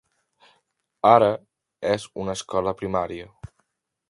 Ara és una escola primaria.